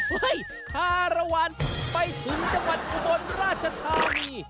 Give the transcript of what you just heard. เฮ้ยคาระวานไปถึงจังหวัดอุบรรณราชทางนี้